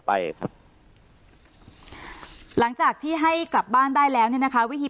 ไปครับหลังจากที่ให้กลับบ้านได้แล้วเนี่ยนะคะวิธี